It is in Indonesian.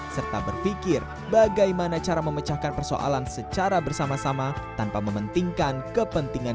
serta berpikir bagaimana cara memecahkan persoalan secara bersama sama tanpa mementingkan kepentingan